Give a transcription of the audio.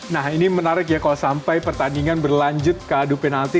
nah ini menarik ya kalau sampai pertandingan berlanjut ke adu penalti